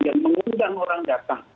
yang mengundang orang datang